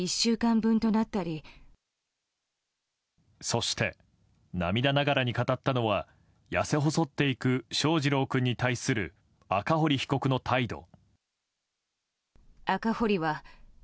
そして、涙ながらに語ったのは痩せ細っていく翔士郎君に対する赤堀被告の態度。